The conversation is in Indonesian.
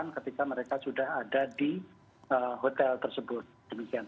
nah ketika mereka sudah ada di hotel tersebut